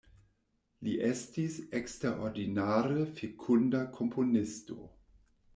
Li estis eksterordinare fekunda komponisto.